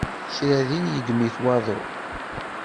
Kra din yeddem-it waḍu.